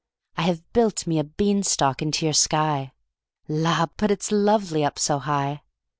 I have built me a bean stalk into your sky! La, but it's lovely, up so high!